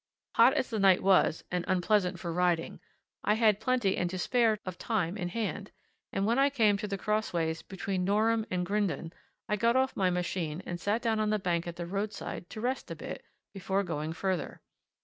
Hot as the night was, and unpleasant for riding, I had plenty and to spare of time in hand, and when I came to the cross ways between Norham and Grindon, I got off my machine and sat down on the bank at the roadside to rest a bit before going further.